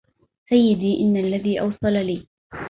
سيدي إن الذي أوصل لي